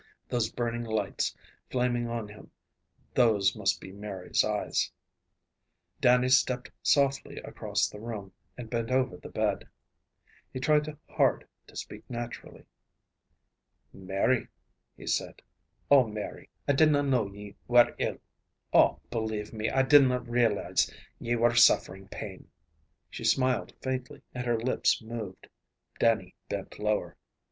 Those burning lights, flaming on him, those must be Mary's eyes. Dannie stepped softly across the room, and bent over the bed. He tried hard to speak naturally. "Mary" he said, "oh, Mary, I dinna know ye were ill! Oh, believe me, I dinna realize ye were suffering pain." She smiled faintly, and her lips moved. Dannie bent lower.